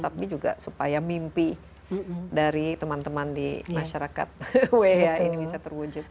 tapi juga supaya mimpi dari teman teman di masyarakat wehea ini bisa terwujud